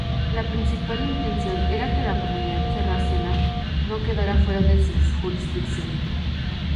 La principal intención era que la comunidad sarracena no quedara fuera de su jurisdicción.